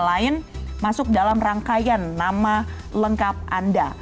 lain masuk dalam rangkaian nama lengkap anda